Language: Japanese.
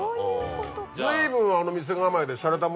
随分あの店構えで。